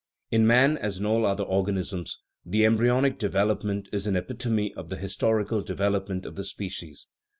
In man, as in all other organisms, " the embryonic development is an epitome of the his torical development of the species.